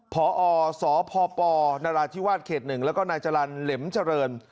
พอสพปนราธิวาสเขต๑แล้วก็นายจรรย์เหล็มเจริญ